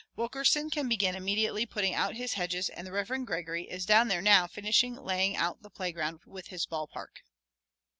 Wilkerson can begin immediately putting out his hedges and the Reverend Gregory is down there now finishing laying out the playground with his ball park."